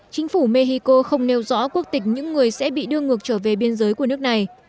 chính phủ mexico không nêu rõ quốc tịch những người sẽ bị đưa ngược trở về biên giới của nước này